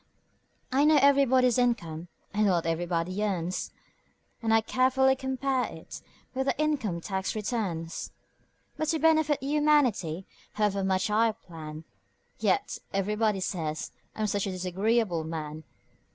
I know everybody's income and what everybody earns, And I carefully compare it with the income tax returns; But to benefit humanity, however much I plan, Yet everybody says I'm such a disagreeable man!